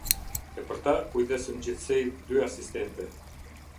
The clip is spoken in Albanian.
E për ta kujdesën gjithsej dy asistente.